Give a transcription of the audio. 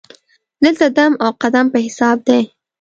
دلته دم او قدم په حساب دی.